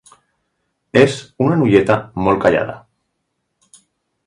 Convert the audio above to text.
És una noieta molt callada.